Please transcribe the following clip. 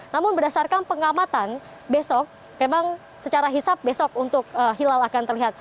namun berdasarkan pengamatan besok memang secara hisap besok untuk hilal akan terlihat